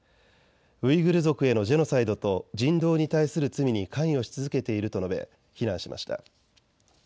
ウイグル族へのジェノサイドと人道に対する罪に関与し続けていると述べ非難しました。